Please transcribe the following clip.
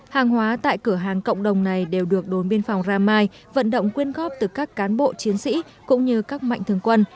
hàng hóa tại cửa hàng cộng đồng này đều được đồn biên phòng ramai vận động quyên góp từ các cán bộ chiến sĩ cũng như các mạnh thường quân